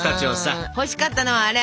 あ欲しかったのはアレ。